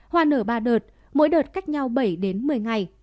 hoa nở ba đợt mỗi đợt cách nhau bảy đến một mươi ngày